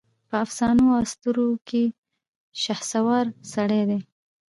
په افسانواواسطوروکې شهسوار سړی دی